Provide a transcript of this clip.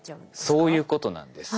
そういうことなんです。